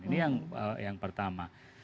ini yang pertama